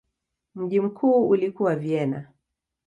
Mji mkuu ulikuwa Vienna.